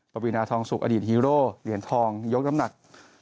ปวีนาทองสุกอดีตฮีโร่เหรียญทองยกน้ำหนัก